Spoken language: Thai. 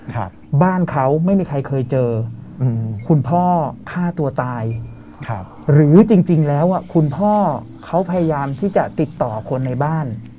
ครับบ้านเขาไม่มีใครเคยเจออืมคุณพ่อฆ่าตัวตายครับหรือจริงจริงแล้วอ่ะคุณพ่อเขาพยายามที่จะติดต่อคนในบ้าน